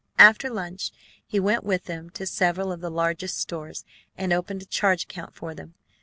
After lunch he went with them to several of the largest stores, and opened a charge account for them.